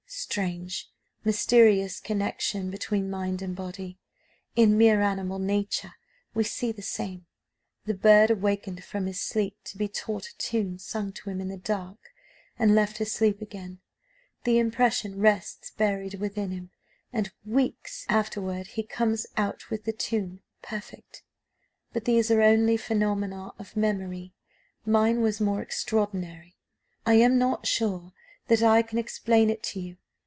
"Strange, mysterious connection between mind and body; in mere animal nature we see the same. The bird wakened from his sleep to be taught a tune sung to him in the dark, and left to sleep again, the impression rests buried within him, and weeks afterward he comes out with the tune perfect. But these are only phenomena of memory mine was more extraordinary. I am not sure that I can explain it to you.